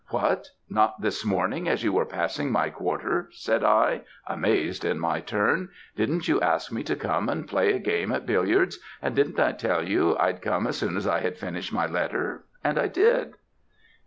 "'What! not this morning, as you were passing my quarter?' said I, amazed in my turn. 'Didn't you ask me to come and play a game at billiards; and didn't I tell you I'd come as soon as I had finished my letter? and I did.'